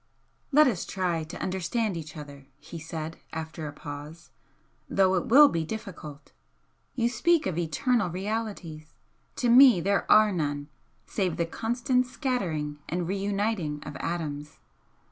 "Let us try to understand each other," he said, after a pause "though it will be difficult. You speak of 'eternal realities.' To me there are none, save the constant scattering and re uniting of atoms.